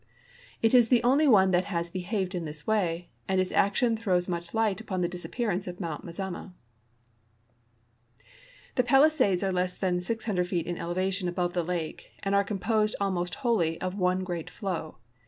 It is the only one that has behaved in this way, and its action throws niucli liglit upon the disappearance of Mount Mazama. The Palisades are less than 600 feet in elevation above the lake, and are composed almost wholly of one great flow.